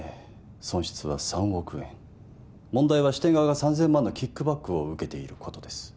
損失は３億円問題は支店側が３千万のキックバックを受けていることです